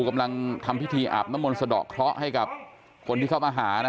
กำลังทำพิธีอาบน้ำมนต์สะดอกเคราะห์ให้กับคนที่เข้ามาหานะ